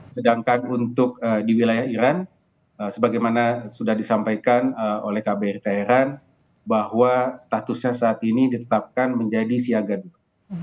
sedangkan untuk di wilayah iran sebagaimana sudah disampaikan oleh kbrt iran bahwa statusnya saat ini ditetapkan menjadi siaga dua